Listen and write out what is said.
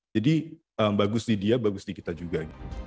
jadi bagus di dia bagus di kita juga